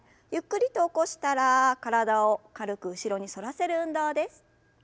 ゆっくりと起こしたら体を軽く後ろに反らせる運動です。